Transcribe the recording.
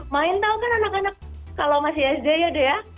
main tau kan anak anak kalau masih sd ya deh ya